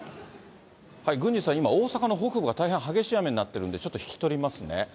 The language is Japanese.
郡司さん、今、大阪の北部が大変激しい雨になっているので、ちょっと引き取りますね。